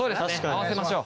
合わせましょう。